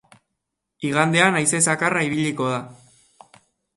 Igandean haize zakarra ibiliko da.